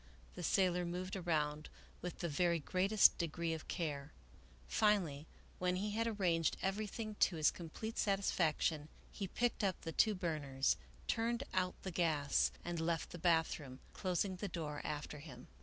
The sailor moved around with the very greatest de gree of care. Finally, when he had arranged everything to his complete satisfaction, he picked up the two burners, turned out the gas, and left the bathroom, closing the door after him.